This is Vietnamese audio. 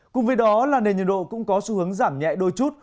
cùng với đó là nền nhiệt độ cũng có xu hướng giảm nhẹ đôi chút